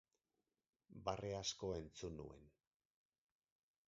Barre asko entzun nuen.